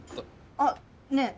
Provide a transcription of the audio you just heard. あっねえ